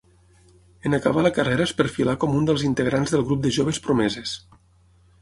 En acabar la carrera es perfilà com un dels integrants del grup de joves promeses.